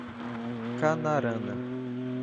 Canarana